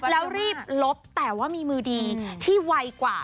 แล้วรีบลบแต่ว่ามีมือดีที่ไวกว่า